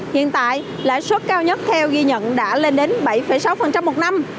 hiện tại lãi suất cao nhất theo ghi nhận đã lên đến bảy sáu một năm